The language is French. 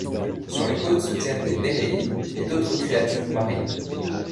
Sur les côtés se tiennent des Néréides et d'autres créatures marines.